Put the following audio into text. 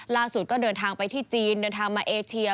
ก็เดินทางไปที่จีนเดินทางมาเอเชีย